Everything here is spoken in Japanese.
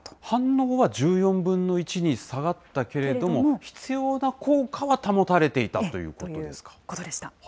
反応は１４分の１に下がったけれども、必要な効果は保たれていたということですか。